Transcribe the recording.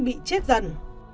bị chết dần